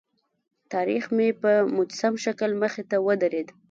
تاریخ مې په مجسم شکل مخې ته ودرېد.